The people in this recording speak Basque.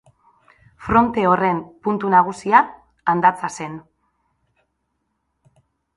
Fronte horren puntu nagusia Andatza zen.